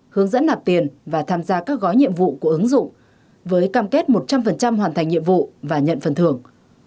hướng dẫn nạp tiền và tham gia các gói nhiệm vụ của ứng dụng với cam kết một trăm linh hoàn thành nhiệm vụ và nhận phần thưởng